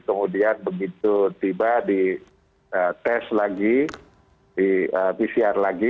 kemudian begitu tiba di tes lagi di pcr lagi